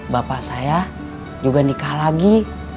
bapak saya juga nikah lagi